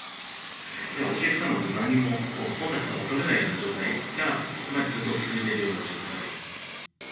お客様と何もコンタクトが取れないような状態が、ずっと続いているような状態。